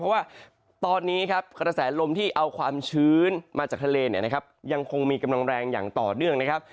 เพราะว่าตอนนี้ครับกระแสลมที่เอาความชื้นมาจากทะเลเนี่ยนะครับยังคงมีกำลังแรงอย่างต่อเนื่องนะครับ